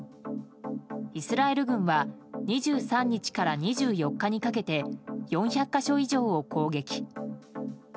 イスラエル軍は２３日から２４日にかけて４００か所以上を攻撃。